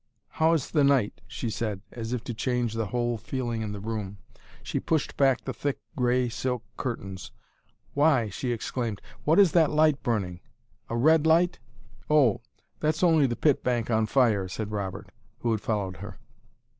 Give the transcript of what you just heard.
"How is the night?" she said, as if to change the whole feeling in the room. She pushed back the thick grey silk curtains. "Why?" she exclaimed. "What is that light burning? A red light?" "Oh, that's only the pit bank on fire," said Robert, who had followed her.